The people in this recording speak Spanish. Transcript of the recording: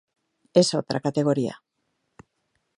Es otra categoría.